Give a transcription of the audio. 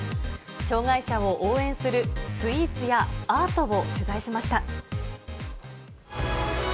障がい者を応援するスイーツやアートを取材しました。